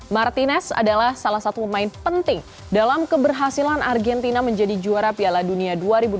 martinez adalah salah satu pemain penting dalam keberhasilan argentina menjadi juara piala dunia dua ribu dua puluh